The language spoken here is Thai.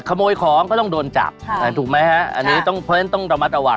ขโมยของก็ต้องโดนจับถูกไหมฮะอันนี้ต้องเพราะฉะนั้นต้องระมัดระวัง